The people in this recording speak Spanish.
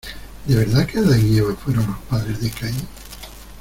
¿De verdad que Adán y Eva fueron los padres de Caín?